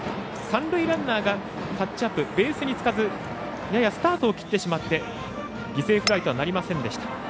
三塁ランナーがタッチアップ、ベースにつかずややスタートを切ってしまって犠牲フライとはなりませんでした。